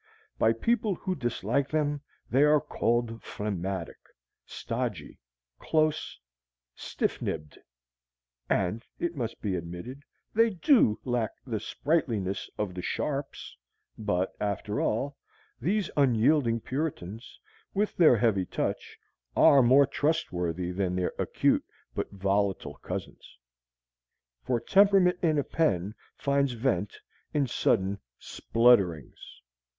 By people who dislike them they are called phlegmatic, stodgy, close, stiffnibbed; and it must be admitted, they do lack the sprightliness of the Sharps; but, after all, these unyielding puritans, with their heavy touch, are more trustworthy than their acute but volatile cousins. For temperament in a pen finds vent in sudden splutterings.